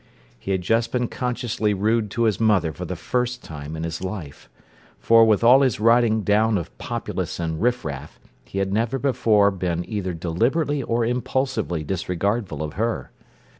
He had just been consciously rude to his mother for the first time in his life; for, with all his riding down of populace and riffraff, he had never before been either deliberately or impulsively disregardful of her.